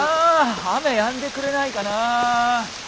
雨やんでくれないかな。